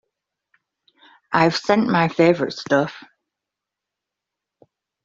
I sent him my favorite stuff.